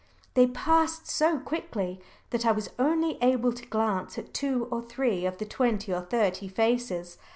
They passed so quickly, that I was only able to glance at two or three of the twenty or thirty faces.